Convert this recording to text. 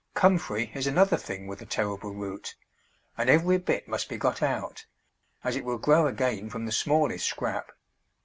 Comfrey is another thing with a terrible root, and every bit must be got out, as it will grow again from the smallest scrap.